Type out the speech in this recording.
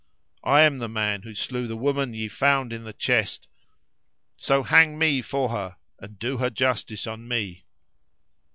I am the man who slew the woman ye found in the chest, so hang me for her and do her justice on me!"